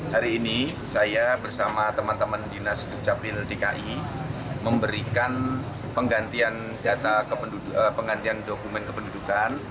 hari ini saya bersama teman teman dinas dukcapil dki memberikan penggantian penggantian dokumen kependudukan